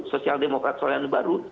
sosial demokrat selandia baru